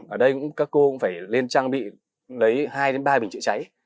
ở đây các cô cũng phải lên trang bị lấy hai ba bình chữa cháy